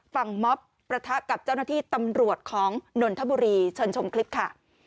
ม็อบประทะกับเจ้าหน้าที่ตำรวจของนนทบุรีเชิญชมคลิปค่ะ